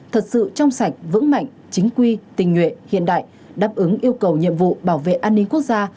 thật sự trong sạch vững mạnh chính quy tình nguyện hiện đại đáp ứng yêu cầu nhiệm vụ bảo vệ an ninh quốc gia